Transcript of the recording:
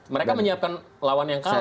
mereka menyiapkan lawan yang kalah